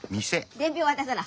伝票渡さな。